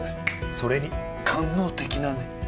それに官能的なね。